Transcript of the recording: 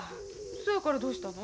そやからどうしたの？